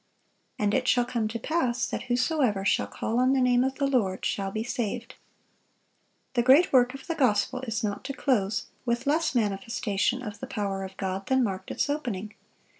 "And it shall come to pass, that whosoever shall call on the name of the Lord shall be saved."(1050) The great work of the gospel is not to close with less manifestation of the power of God than marked its opening.